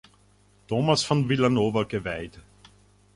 Thomas von Villanova geweiht.